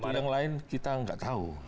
kalau yang lain kita nggak tahu